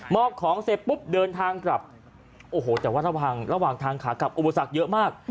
อบของเสร็จปุ๊บเดินทางกลับโอ้โหแต่ว่าระหว่างระหว่างทางขากลับอุปสรรคเยอะมาก